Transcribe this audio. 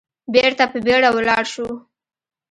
بېرته په بيړه ولاړ شو.